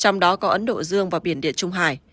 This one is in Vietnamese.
trong đó có ấn độ dương và biển địa trung hải